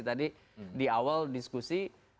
tadi di awal diskusi